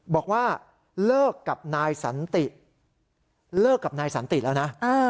บอกว่าเลิกกับนายสันติเลิกกับนายสันติแล้วนะ